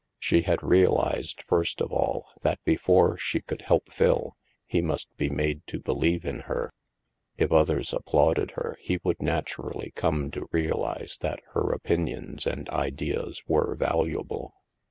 She had realized, first of all, that before she could help Phil, he must be made to believe in her. If others applauded her, he would naturally come to realize that her opinions and ideas were valuable.